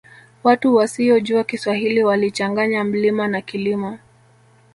Watu wasiyojua kiswahili walichanganya mlima na kilima